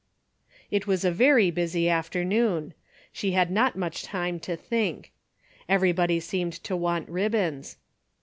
It was a very busy afternoon. She had not much time to think. Everybody seemed to want ribbons.